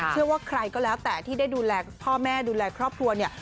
เชื่อว่าใครก็แล้วแต่ที่ได้ดูแลพ่อแม่ดูแลครอบครัวเนี่ย